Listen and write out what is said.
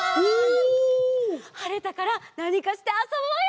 はれたからなにかしてあそぼうよ！